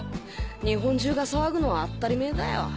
日本中が騒ぐのはあったりめだよ！